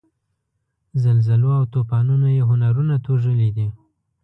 زلزلو او توپانونو یې هنرونه توږلي دي.